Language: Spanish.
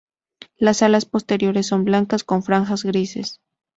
Las alas posteriores son blancas con franjas grises.